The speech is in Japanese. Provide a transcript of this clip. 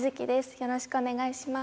よろしくお願いします